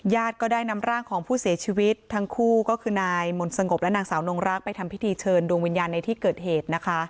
ก็ได้นำร่างของผู้เสียชีวิตทั้งคู่ก็คือนายมนต์สงบและนางสาวนงรักไปทำพิธีเชิญดวงวิญญาณในที่เกิดเหตุนะคะ